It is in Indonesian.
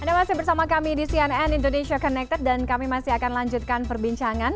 anda masih bersama kami di cnn indonesia connected dan kami masih akan lanjutkan perbincangan